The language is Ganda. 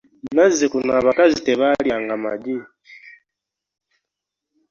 Nazzikuno abakazi tebalyanga magi.